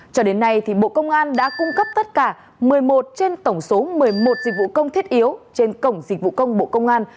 cho đến nay bộ công an đã cung cấp tất cả một mươi một trên tổng số một mươi một dịch vụ công thiết yếu trên cổng dịch vụ công bộ công an